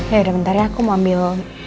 ya udah bentar ya aku mau ambil